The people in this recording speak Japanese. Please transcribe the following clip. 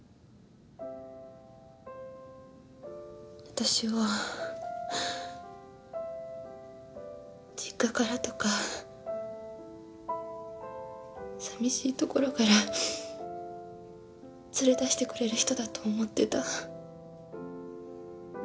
わたしを実家からとかさみしいところから連れ出してくれる人だと思ってた。